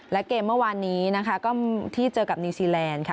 และเกมเมื่อวานนี้นะคะที่เจอกับนิวซีแลนด์ค่ะ